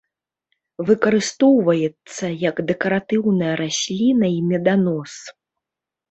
Выкарыстоўваецца як дэкаратыўная расліна і меданос.